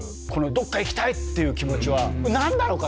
どっか行きたいって気持ちは何なのか？